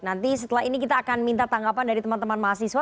nanti setelah ini kita akan minta tanggapan dari teman teman mahasiswa